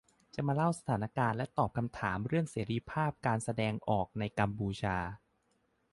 จะมาเล่าสถานการณ์และตอบคำถามเรื่องเสรีภาพการแสดงออกในกัมพูชา